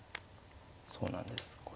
そうなんですこれ。